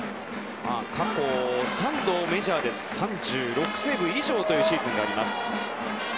過去３度、メジャーで３６セーブ以上というシーズンがあります。